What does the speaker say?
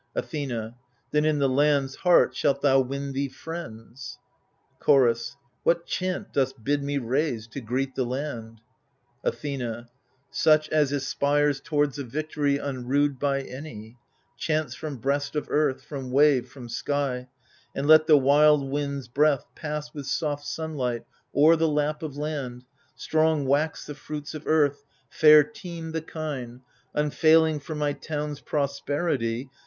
Athena Then in the land's heart shalt thou win thee friends. Chorus What chant dost bid me raise, to greet the lan4 ? Athena Such as aspires towards a victory Unrued by any : chants from breast of earth, From wave, from sky ; and let the wild winds* breath Pass with soft sunlight o'er the lap of land, — Strong wax the fruits of earth, fair teem the kine, Unfailing, for my town's prosperity.